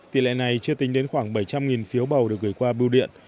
tỷ lệ này chưa tính đến khoảng bảy trăm linh phiếu bầu được gửi qua bưu điện